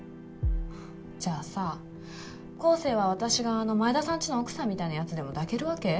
ふっじゃあさ光晴は私があの前田さんちの奥さんみたいなやつでも抱けるわけ？